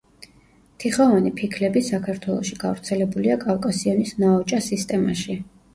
თიხოვანი ფიქლები საქართველოში გავრცელებულია კავკასიონის ნაოჭა სისტემაში.